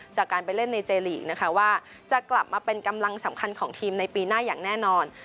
จากการไปเล่นในเจลีกนะคะว่าจะกลับมาเป็นกำลังสำคัญของทีมในปีหน้าอย่างแน่นอน